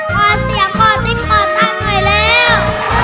พอเสียงพอติ้งเปิดตั้งไว้แล้ว